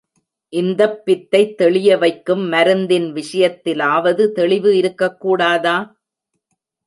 இந்தப் பித்தைத் தெளிய வைக்கும் மருந்தின் விஷயத்திலாவது தெளிவு இருக்கக்கூடாதா?